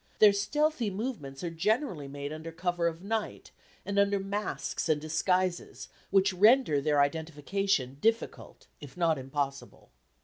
Their stealthy movements are generally made under cover of night, and under masks and disguises, which render their identification difficult, if not impossible.